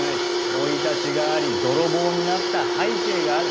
生い立ちがあり泥棒になった背景がある。